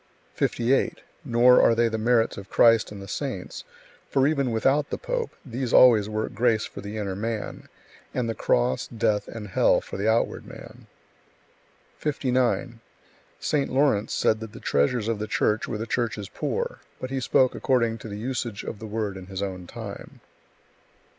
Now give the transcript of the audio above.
58. Nor are they the merits of Christ and the Saints, for even without the pope, these always work grace for the inner man, and the cross, death, and hell for the outward man. 59. St. Lawrence said that the treasures of the Church were the Church's poor, but he spoke according to the usage of the word in his own time.